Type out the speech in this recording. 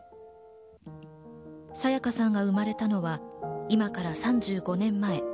沙也加さんが生まれたのは今から３５年前。